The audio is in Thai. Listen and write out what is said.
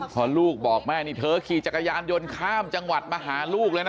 พอลูกบอกแม่นี่เธอขี่จักรยานยนต์ข้ามจังหวัดมาหาลูกเลยนะ